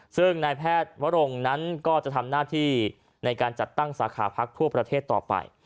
ซึ่งนายแพทย์วรงนั้นก็จะทำหน้าที่ในการจัดตั้งสาขาพักทั่วประเทศต่อไป